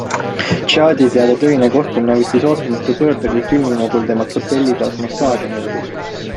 Juddi teada töine kohtumine võttis ootamatu pöörde, kui filmimogul temalt hotellitoas massaaži nõudis.